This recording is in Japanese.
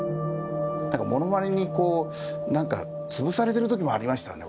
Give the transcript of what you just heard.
何かモノマネにこう何か潰されてる時もありましたね